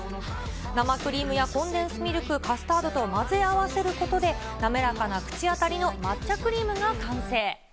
生クリームやコンデンスミルク、カスタードと混ぜ合わせることで、滑らかな口当たりの抹茶クリームが完成。